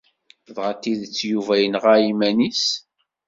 Dɣa d tidet Yuba yenɣa iman-nnes?